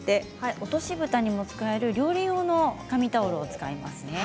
落としぶたにも使える料理用の紙タオルを使います。